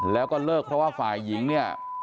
แล้วก็เลิกเพราะว่าฝ่ายหญิงเนี่ย